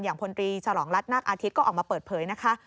พลตรีฉลองรัฐนาคอาทิตย์ก็ออกมาเปิดเผยนะคะ